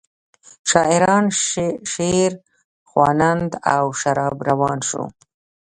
شاعران شعرخواندند او شراب روان شو.